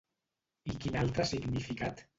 I quin altre significat?